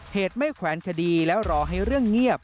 เหตุไม่แขวนคดีแล้วรอให้เรื่องเงียบ